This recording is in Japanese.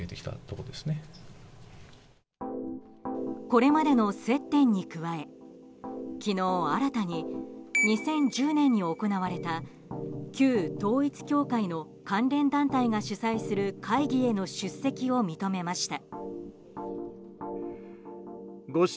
これまでの接点に加え昨日、新たに２０１０年に行われた旧統一教会の関連団体が主催する会議への出席を認めました。